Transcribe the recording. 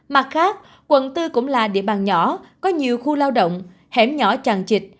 mặt khác quận bốn cũng là địa bàn nhỏ có nhiều khu lao động hẻm nhỏ tràn trịch